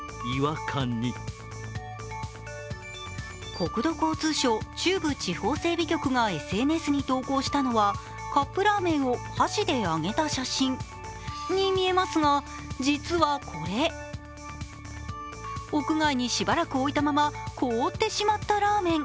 国土交通省・中部地方整備局がＳＮＳに投稿したのはカップラーメンを箸で上げた写真。に見えますが、実はこれ、屋外にしばらく置いたまま凍ってしまったラーメン。